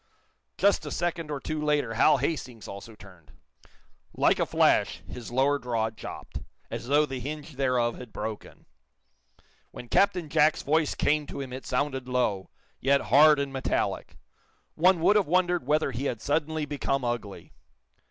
Just a second or two later Hal Hastings also turned. Like a flash his lower jaw dropped, as though the hinge thereof had broken. When Captain Jack's voice came to him it sounded low, yet hard and metallic. One would have wondered whether he had suddenly become ugly.